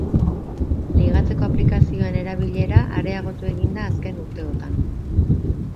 Ligatzeko aplikazioen erabilera areagotu egin da azken urteotan.